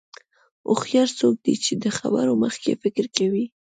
هوښیار څوک دی چې د خبرو مخکې فکر کوي.